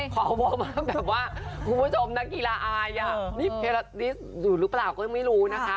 พอคุณผู้ชมนางกีฬาอายอะนี่ลูกประหลาดก็ไม่รู้นะคะ